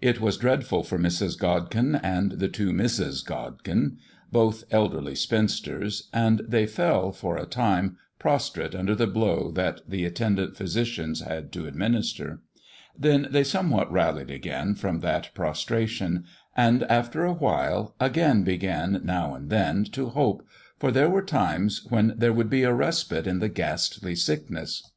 It was dreadful for Mrs. Godkin and the two Misses Godkin both elderly spinsters and they fell, for a time, prostrate under the blow that the attendant physicians had to administer. Then they somewhat rallied again from that prostration, and, after a while, again began now and then to hope, for there were times when there would be a respite in the ghastly sickness.